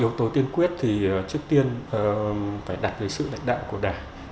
yếu tố tiên quyết thì trước tiên phải đạt lời sự đại đạo của đảng